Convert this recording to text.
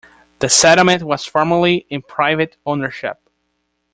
The settlement was formerly in private ownership.